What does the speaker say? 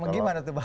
gimana tuh pak